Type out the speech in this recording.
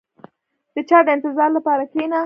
• د چا د انتظار لپاره کښېنه.